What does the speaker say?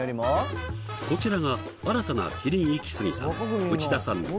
こちらが新たなキリンイキスギさん